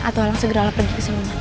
atualang segeralah pergi ke selumba